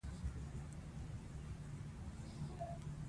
اداره د خلکو پر وړاندې د حساب ورکولو مکلفه ده.